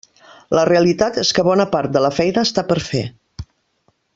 La realitat és que bona part de la feina està per fer.